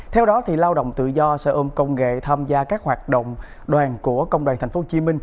theo đó lao động tự do sở ôm công nghệ tham gia các hoạt động đoàn của công đoàn tp hcm